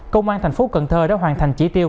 công an tp cần thơ đã hoàn thành chỉ tiêu